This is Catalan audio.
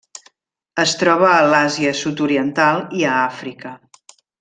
Es troba a l'Àsia Sud-oriental i a Àfrica.